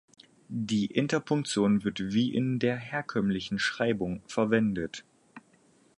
Die Interpunktion wird wie in der herkömmlichen Schreibung verwendet.